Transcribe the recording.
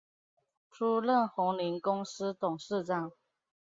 出任鸿霖公司董事长。